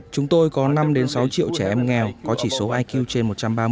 chúng tôi có năm sáu triệu trẻ em nghèo có chỉ số iq trên một trăm ba mươi